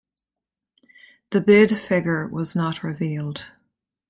The bid figure was not revealed.